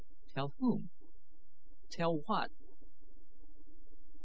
Tell whom? Tell what?